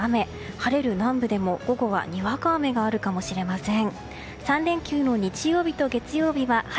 晴れる南部でも、午後はにわか雨があるかもしれません。